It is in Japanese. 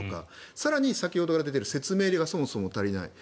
更に先ほどから出ている説明がそもそも足りない。